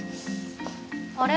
あれ？